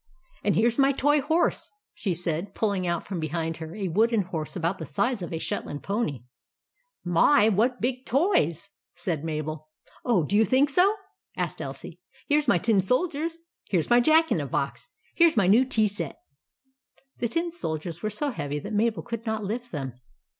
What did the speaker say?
" And here 's my toy horse," she said, pulling out from behind her a wooden horse about the size of a Shetland pony. " My ! what big toys !" said Mabel. " Oh, do you think so ?" asked Elsie. "Here's my tin soldiers. Here's myjack in the box. Here 's my new tea set." The tin soldiers were so heavy that Mabel could not lift them.